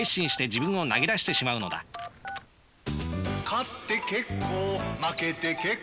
「勝って結構負けて結構」